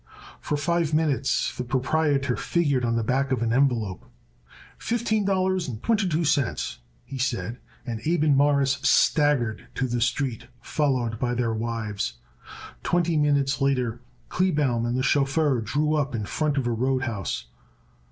For five minutes the proprietor figured on the back of an envelope. "Fifteen dollars and twenty two cents," he said, and Abe and Morris staggered to the street, followed by their wives. Twenty minutes later Kleebaum and the chauffeur drew up in front of a road house.